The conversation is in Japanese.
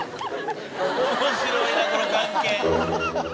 面白いなこの関係。